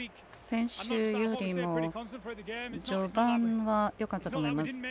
先週より序盤はよかったと思います。